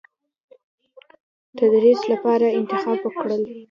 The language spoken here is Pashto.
تدریس لپاره انتخاب کړل.